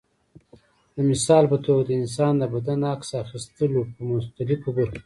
د مثال په توګه د انسان د بدن عکس اخیستلو په مختلفو برخو کې.